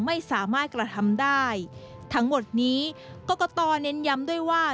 ไม่สามารถกระทำได้ทั้งหมดนี้กรกตเน้นย้ำด้วยว่า